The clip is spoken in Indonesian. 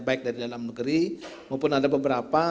baik dari dalam negeri maupun ada pemenuhan dari negara lainnya